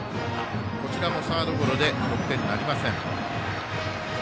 こちらもサードゴロで得点なりません。